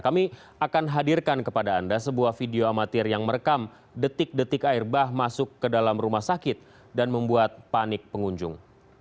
kami akan hadirkan kepada anda sebuah video amatir yang merekam detik detik air bah masuk ke dalam rumah sakit dan membuat panik pengunjung